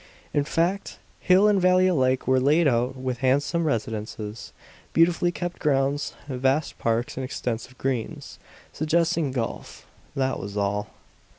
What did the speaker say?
In fact, hill and valley alike were laid out with handsome residences, beautifully kept grounds, vast parks and extensive greens, suggesting golf. That was all.